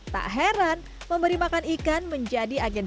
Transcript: tak heran memberi makan ikan menjadi agen